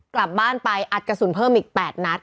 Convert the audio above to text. กลับบ้านไปอัดกระสุนเพิ่มอีก๘นัด